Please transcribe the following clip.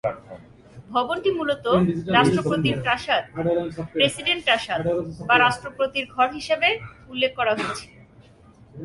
ভবনটি মূলত "রাষ্ট্রপতির প্রাসাদ", "প্রেসিডেন্ট প্রাসাদ", বা "রাষ্ট্রপতির ঘর" হিসাবে উল্লেখ করা হয়েছিল।